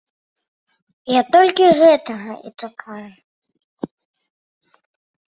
Я толькі гэтага і чакаю!